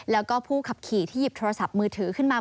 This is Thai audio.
แล้วก็ผู้ขับขี่ที่หยิบโทรศัพท์มือถือขึ้นมา